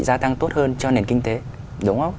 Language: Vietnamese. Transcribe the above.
gia tăng tốt hơn cho nền kinh tế đúng không